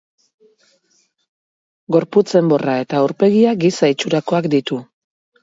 Gorputz-enborra eta aurpegia giza itxurakoak ditu.